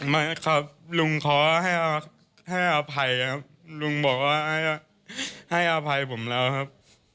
ไม่ครับลุงขอให้อภัยครับลุงบอกว่าให้อภัยผมแล้วครับ